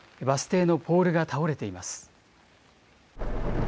バス停のポールが倒れています。